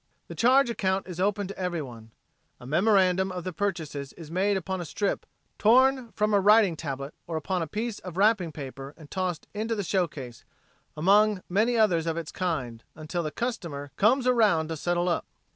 The charge account is open to everyone. A memorandum of the purchase is made upon a strip torn from a writing tablet or upon a piece of wrapping paper and tossed into the show case, among many others of its kind, until the customer "comes around to settle up."